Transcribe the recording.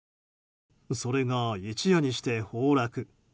それが、一夜にして崩落。